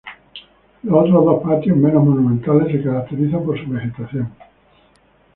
Los otros dos patios, menos monumentales, se caracterizan por su vegetación.